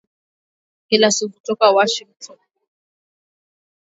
Kila siku kutoka Washington